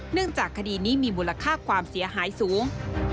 จากคดีนี้มีมูลค่าความเสียหายสูง